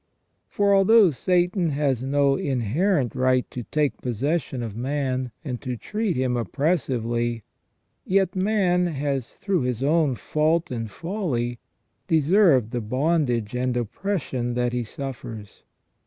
For although Satan has no inherent right to take possession of man, and to treat him oppressively, yet man has through his own fault and folly deserved the bondage and oppression that he suffers.